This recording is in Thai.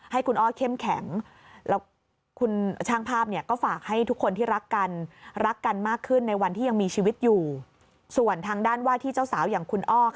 ให้คุณอ้อเข้มแข็ง